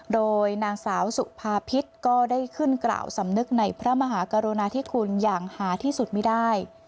โดยนางสาวสุภาพิษก็ได้ขึ้นกล่าวสำนึกในพระมหากรุณาธิคุณอย่างหาที่สุดไม่ได้